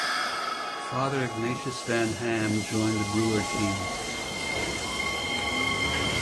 Father Ignatius van Ham joined the brewer team.